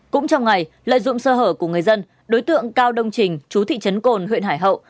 cũng trong ngày lợi dụng sơ hở của người dân đối tượng cao đông trình chú thị trấn cồn huyện hải hậu